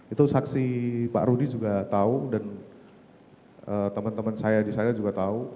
itu saksi pak rudy juga tahu dan teman teman saya di sana juga tahu